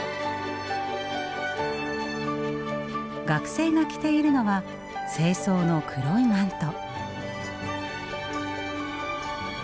学生が着ているのは正装の黒いマント。